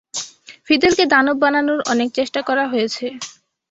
ফিদেলকে দানব বানানোর অনেক চেষ্টা করা হয়েছে।